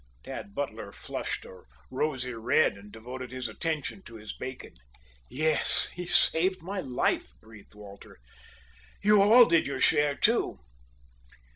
Tad Butler flushed a rosy red, and devoted his attention to his bacon. "Yes, he saved my life," breathed Walter. "You all did your share too."